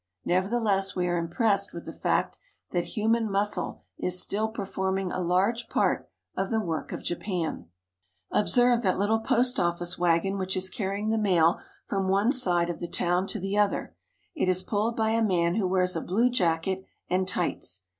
Nevertheless, we are impressed with the fact that human muscle is still performing a large part of the work of Japan. Girls in Summer Dress. TOKYO 4$ Observe that little post office wagon which is carrying the mail from one side of the town to the other. It is pulled by a man who wears a blue jacket and tights.